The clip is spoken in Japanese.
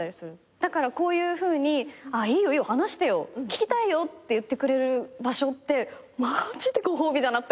だからこういうふうにいいよ話してよ聞きたいよって言ってくれる場所ってマジでご褒美だなって思う。